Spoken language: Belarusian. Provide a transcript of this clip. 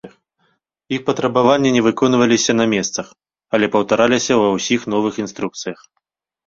Іх патрабаванні не выконваліся на месцах, але паўтараліся ва ўсіх новых інструкцыях.